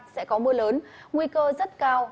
sẽ có mưa lớn nguy cơ rất cao